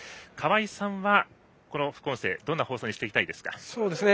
川合さんはこの副音声どんな放送にしていきたいですか。